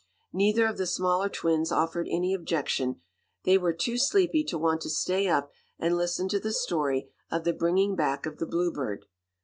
Neither of the smaller twins offered any objection. They were too sleepy to want to stay up and listen to the story of the bringing back of the Bluebird.